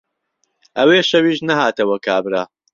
ئهوێ شەویش نههاتهوه کابرا